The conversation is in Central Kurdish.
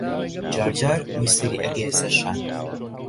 جارجار مووی سەری ئەگەییە سەر شان